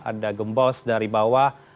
ada gembos dari bawah